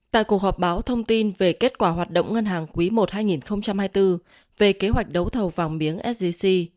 tại cuộc họp báo thông tin về kết quả hoạt động ngân hàng quý i hai nghìn hai mươi bốn về kế hoạch đấu thầu vàng miếng sgc